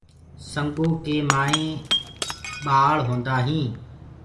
سنگو ڪي مآئينٚ ڀآݪ هوندآ هينٚ۔